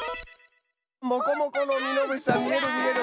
モコモコのミノムシさんみえるみえる！